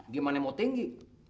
gimana mau tinggi